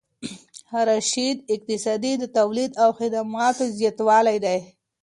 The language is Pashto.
رشد اقتصادي د تولید او خدماتو زیاتوالی دی.